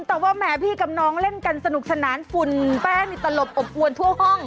แต่ว่าแหมพี่กับน้องเล่นกันสนุกสนานฝุ่นแป้งนี่ตลบอบอวนทั่วห้อง